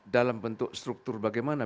dalam bentuk struktur bagaimana